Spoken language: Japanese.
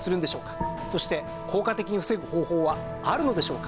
そして効果的に防ぐ方法はあるのでしょうか？